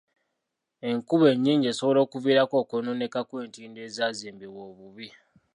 Enkuba ennyingi esobola okuviirako okwonooneka kw'entindo ezaazimbibwa obubi.